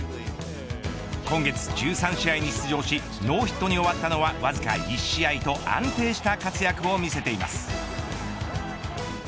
今月、１３試合に出場しノーヒットに終わったのはわずか１試合と安定した活躍を見せています。